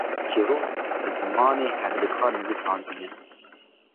çîrok bi zimanê herikbar nivîsandiye